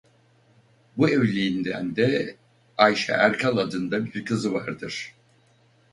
Bu evliliğinden de Ayşe Erkal adında bir kızı vardır.